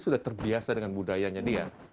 sudah terbiasa dengan budayanya dia